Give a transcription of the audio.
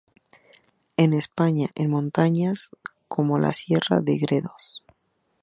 En España en montañas como la Sierra de Gredos.